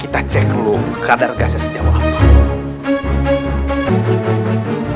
kita cek dulu kadar gasnya sejauh apa